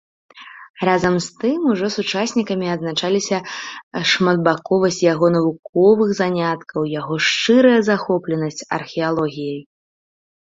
Разам з тым ужо сучаснікамі адзначаліся шматбаковасць яго навуковых заняткаў, яго шчырая захопленасць археалогіяй.